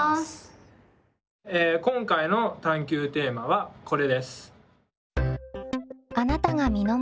今回の探究テーマはこれです。